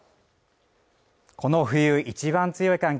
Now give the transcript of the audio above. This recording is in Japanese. この冬一番強い寒気